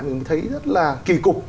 mình thấy rất là kỳ cục